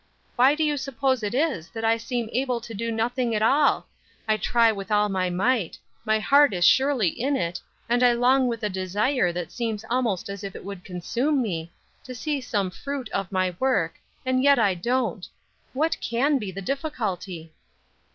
"Why do you suppose it is that I seem able to do nothing at all? I try with all my might; my heart is surely in it, and I long with a desire that seems almost as if it would consume me, to see some fruit of my work, and yet I don't. What can be the difficulty?"